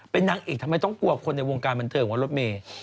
เป็นนางเอกทำไมต้องกลัวคนในวงการบันเทิงของรถเมย์